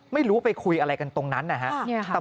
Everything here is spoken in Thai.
ไม่รู้ไปคุยอะไรกันตรงนั้นนะครับ